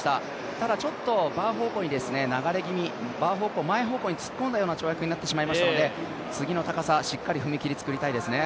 ただちょっとバー方向に流れ気味、前方向に突っ込んだような跳躍になってしまいましたので、次の高さ、しっかり踏み切り作りたいですね。